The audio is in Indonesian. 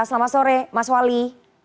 selamat sore mas wali